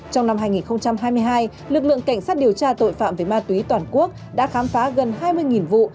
trong năm hai nghìn hai mươi hai lực lượng cảnh sát điều tra tội phạm về ma túy toàn quốc đã khám phá gần hai mươi vụ